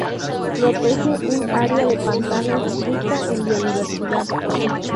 Protege un área de pantanos rica en biodiversidad.